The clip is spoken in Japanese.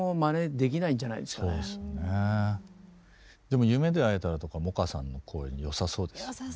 でも「夢でえたら」とか萌歌さんの声によさそうですよね。